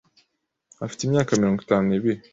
afite imyaka mirongo itanu nibiri